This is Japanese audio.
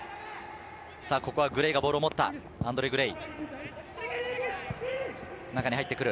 ここはグレイがボールを持った、アンドレ・グレイ。